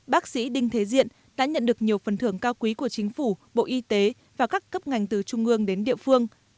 bác sĩ đinh thế diện đã nhận được nhiều phần thưởng cao quý của chính phủ bộ y tế và các cấp ngành từ trung ương đến địa phương